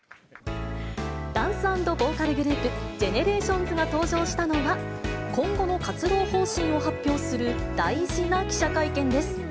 ダンス＆ボーカルグループ、ＧＥＮＥＲＡＴＩＯＮＳが登場したのは、今後の活動方針を発表する大事な記者会見です。